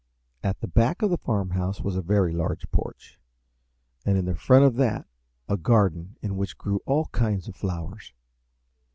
At the back of the farmhouse was a very large porch, and in the front of that a garden in which grew all kinds of flowers.